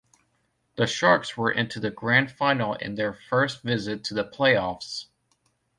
The Sharks were into the Grand Final in their first visit to the play-offs.